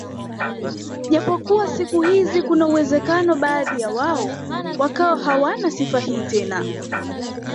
Japo siku hizi kuna uwezekano baadhi yao wakawa hawana sifa hii tena